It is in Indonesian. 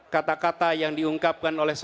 kata kata yang diungkapkan oleh